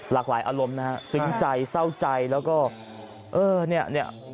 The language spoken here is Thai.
หลากหลายอารมณ์นะฮะซึ้งใจเศร้าใจแล้วก็เออเนี่ย